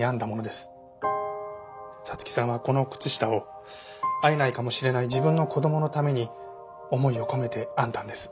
彩月さんはこの靴下を会えないかもしれない自分の子供のために思いを込めて編んだんです。